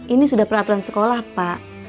ini sudah peraturan sekolah pak